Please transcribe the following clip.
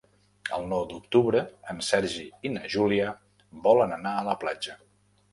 El nou d'octubre en Sergi i na Júlia volen anar a la platja.